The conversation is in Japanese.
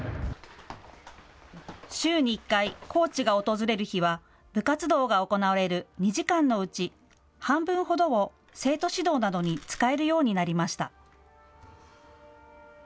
週に１回、コーチが訪れる日は部活動が行われる２時間のうち半分ほどを生徒指導などに使えるようになりました。